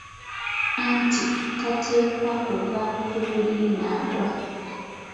Anti tateekwa kuva ku buliri n’agwa.